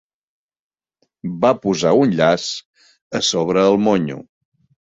Va posar un llaç a sobre el monyo